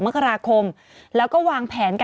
มีสารตั้งต้นเนี่ยคือยาเคเนี่ยใช่ไหมคะ